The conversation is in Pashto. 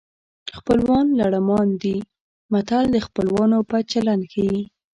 خپلوان لړمان دي متل د خپلوانو بد چلند ښيي